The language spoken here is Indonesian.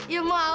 ya mau lah